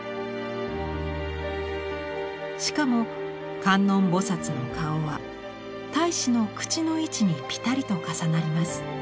しかも観音菩の顔は太子の口の位置にぴたりと重なります。